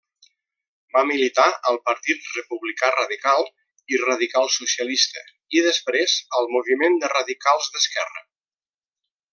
Va militar al Partit Republicà Radical i Radical-Socialista i després al Moviment de Radicals d'Esquerra.